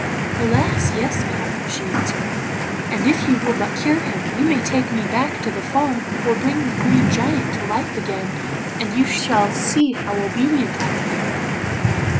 'Alas! yes, madam,' she answered, 'and if you will but cure him, you may take me back to the farm, or bring the Green Giant to life again, and you shall see how obedient I will be.